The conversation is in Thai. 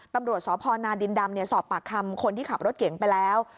ตำรวจสพนาดินดำสอบปากคำคนที่ขับรถเก่งไปแล้ว